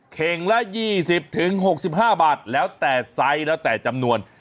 เข่งละยี่สิบถึงหกสิบห้าบาทแล้วแต่ไซส์แล้วแต่จำนวน